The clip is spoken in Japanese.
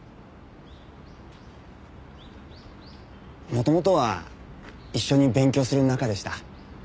元々は一緒に勉強する仲でした。